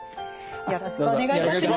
よろしくお願いします。